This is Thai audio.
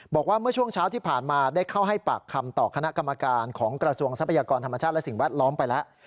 บอกว่าเมื่อช่วงเช้าที่ผ่านมาได้เข้าให้ปากคำต่อคณะกรรมการของกระทรวงทรัพยากรธรรมชาติและสิ่งแวดล้อมไปแล้ว